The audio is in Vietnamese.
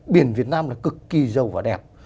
biển việt nam là cực kỳ giàu và đẹp